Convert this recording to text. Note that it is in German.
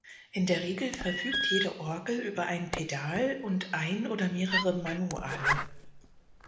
In der Regel verfügt jede Orgel über ein Pedal und ein oder mehrere Manuale.